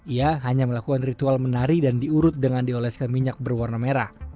ia hanya melakukan ritual menari dan diurut dengan dioleskan minyak berwarna merah